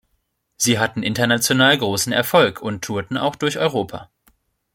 Sie hatten international großen Erfolg und tourten auch durch Europa.